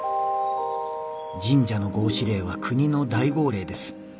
「神社の合祀令は国の大号令です。